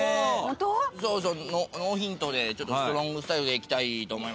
ノーヒントでストロングスタイルでいきたいと思います。